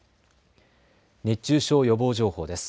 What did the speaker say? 熱中症予防情報です。